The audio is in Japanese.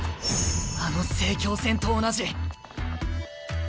あの成京戦と同じ。